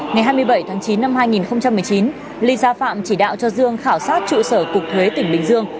ngày hai mươi bảy tháng chín năm hai nghìn một mươi chín ly gia phạm chỉ đạo cho dương khảo sát trụ sở cục thuế tỉnh bình dương